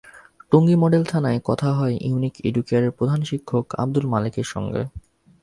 Tongi model থানায় কথা হয় ইউনিক এডুকেয়ারের প্রধান শিক্ষক আবদুল মালেকের সঙ্গে।